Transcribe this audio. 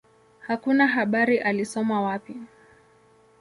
Hakuna habari alisoma wapi.